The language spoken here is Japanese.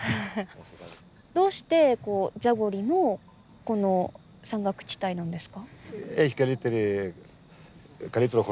どうしてザゴリのこの山岳地帯なんですか？